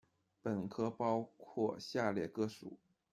本科包括下列各属：